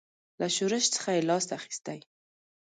له شورش څخه یې لاس اخیستی.